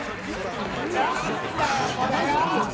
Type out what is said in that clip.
なんだよこれよ！